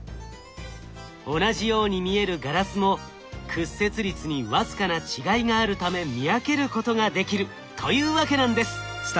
同じように見えるガラスも屈折率に僅かな違いがあるため見分けることができるというわけなんです。